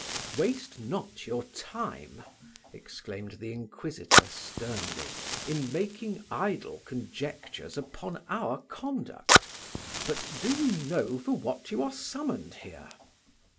"Waste not your time," exclaimed the inquisitor sternly, "in making idle conjectures upon our conduct; but do you know for what you are summoned here?"